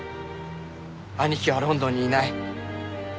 兄貴はロンドンにいない。